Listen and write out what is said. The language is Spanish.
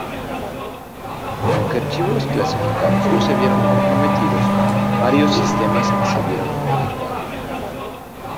Aunque archivos clasificados no se vieron comprometidos, varios sistemas se vieron afectados.